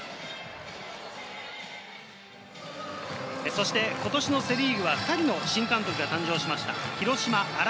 そして今年のセ・リーグは２人の新監督が誕生しました。